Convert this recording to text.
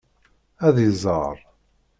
Ad iẓer.